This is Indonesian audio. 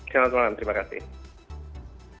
selamat malam terima kasih